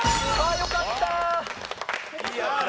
よかった。